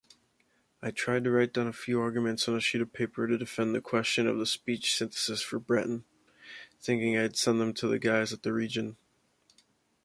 I tried to write down a few arguments on a sheet of paper to defend the question of the speech synthesis for Breton, thinking I’d send them to the guys at the Region.